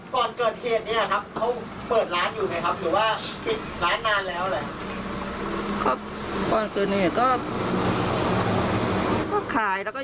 ก่อนเกิดเพศนี้ครับเขาเปิดร้านอยู่ไหมครับ